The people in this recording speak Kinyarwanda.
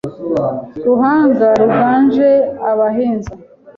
Ruhanga ruganje abahinza